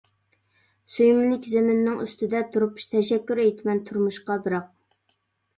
سۆيۈملۈك زېمىننىڭ ئۈستىدە تۇرۇپ، تەشەككۈر ئېيتىمەن تۇرمۇشقا بىراق.